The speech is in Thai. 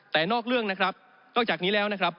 แต่นอกเรื่องนะครับนอกจากนี้แล้วนะครับ